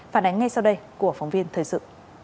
phản ánh ngay sau đây của phóng viên thời sự